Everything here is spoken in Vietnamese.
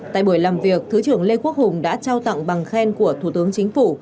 tại buổi làm việc thứ trưởng lê quốc hùng đã trao tặng bằng khen của thủ tướng chính phủ